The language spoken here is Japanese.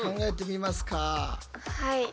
はい。